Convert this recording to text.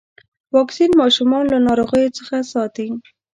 واکسین ماشومان له ناروغيو څخه ساتي.